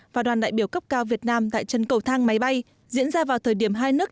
và đoàn đại biểu cấp cao việt nam tại chân cầu thang máy bay diễn ra vào thời điểm hai nước